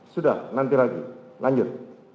sudah nanti lagi lanjut